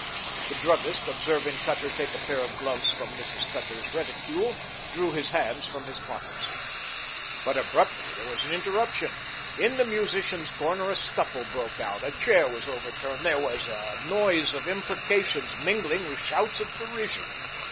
The druggist, observing Cutter take a pair of gloves from Mrs. Cutter's reticule, drew his hands from his pockets. But abruptly there was an interruption. In the musicians' corner a scuffle broke out. A chair was overturned. There was a noise of imprecations mingled with shouts of derision.